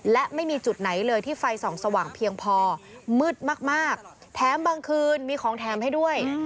และไม่มีจุดไหนเลยที่ไฟส่องสว่างเพียงพอมืดมากแถมบางคืนมีของแถมให้ด้วย